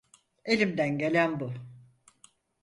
Elimden gelen bu.